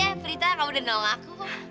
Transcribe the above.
makasih ya berita kamu udah nolaku